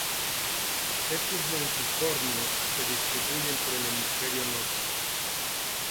Estos longicornios se distribuyen por el hemisferio norte.